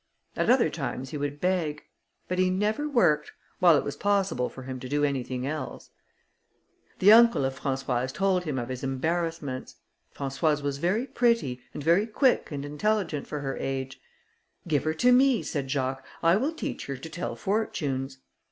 At other times, he would beg; but he never worked, while it was possible for him to do anything else. The uncle of Françoise told him of his embarrassments. Françoise was very pretty, and very quick and intelligent for her age. "Give her to me," said Jacques, "I will teach her to tell fortunes."